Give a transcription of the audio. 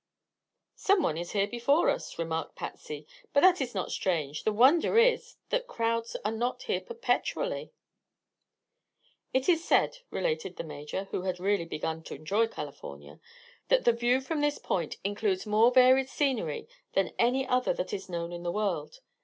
"Some one is here before us," remarked Patsy. "But that is not strange. The wonder is that crowds are not here perpetually." "It is said," related the Major, who had really begun to enjoy California, "that the view from this Point includes more varied scenery than any other that is known in the world.